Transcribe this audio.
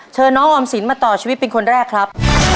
เชิญน้องออมสินมาต่อชีวิตเป็นคนแรกครับ